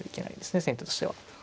先手としては。